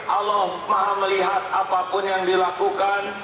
allah maha melihat apapun yang dilakukan